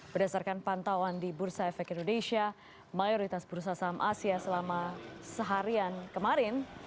berdasarkan pantauan di bursa efek indonesia mayoritas bursa saham asia selama seharian kemarin